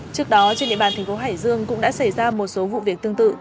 trước đó trên địa bàn tp hcm cũng đã xảy ra một số vụ việc tương tự